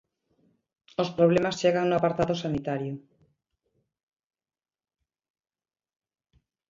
Os problemas chegan no apartado sanitario.